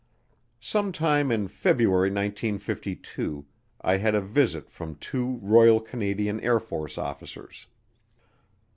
Sometime in February 1952 I had a visit from two Royal Canadian Air Force officers.